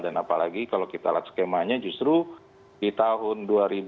dan apalagi kalau kita lihat skemanya justru di tahun dua ribu dua puluh satu